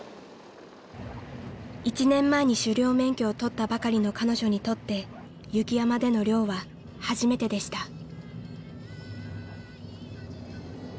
［１年前に狩猟免許を取ったばかりの彼女にとって雪山での猟は初めてでした］